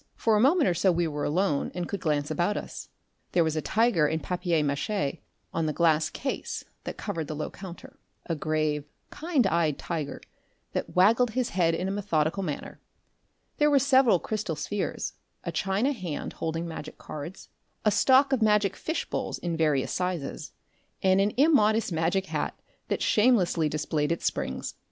For a moment or so we were alone and could glance about us. There was a tiger in papier mache on the glass case that covered the low counter a grave, kind eyed tiger that waggled his head in a methodical manner; there were several crystal spheres, a china hand holding magic cards, a stock of magic fish bowls in various sizes, and an immodest magic hat that shamelessly displayed its springs.